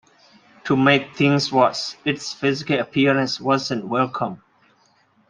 To make things worse, its physical appearance wasn't welcomed.